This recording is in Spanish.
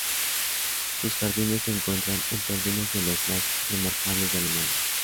Sus jardines se encuentran entre algunos de los más remarcables de Alemania.